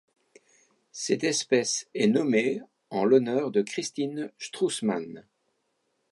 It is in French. Cette espèce est nommée en l'honneur de Christine Strüssmann.